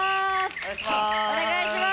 お願いします！